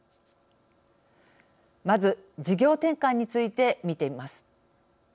まず事業転換について見てみます。